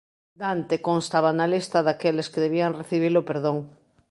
Dante constaba na lista daqueles que debían recibir o perdón.